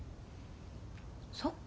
そっか！